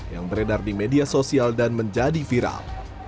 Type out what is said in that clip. yang beredar di media sosial dan menjadi viral